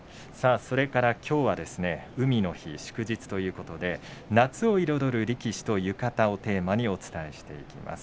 それからきょうは海の日、祝日ということで夏を彩る力士と浴衣をテーマにお送りしていきます。